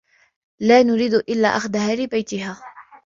لا نريد إلا أخذها لبيتها.